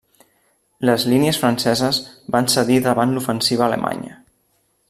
Les línies franceses van cedir davant l'ofensiva alemanya.